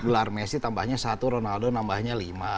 lar messi tambahnya satu ronaldo tambahnya lima